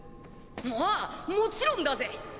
ああもちろんだぜ。